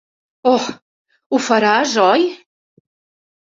Oh, ho faràs, oi?